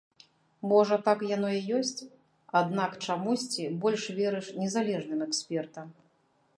Можа, так яно і ёсць, аднак чамусьці больш верыш незалежным экспертам.